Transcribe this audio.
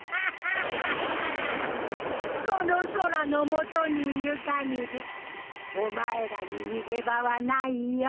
この空の下にいるかぎりお前らに逃げ場はないよ。